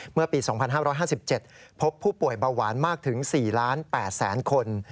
เมื่อปี๒๕๕๗พบผู้ป่วยเบาหวานมากถึง๔๘๐๐๐คน